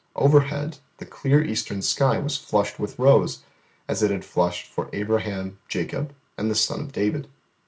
Overhead the clear Eastern sky was flushed with rose, as it had flushed for Abraham, Jacob, and the Son of David.